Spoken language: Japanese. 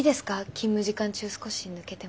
勤務時間中少し抜けても。